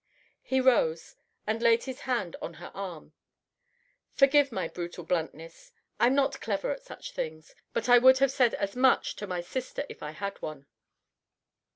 He rose, and laid his hand on her arm. "Forgive my brutal bluntness. I'm not clever at such things, but I would have said as much to my sister if I had one."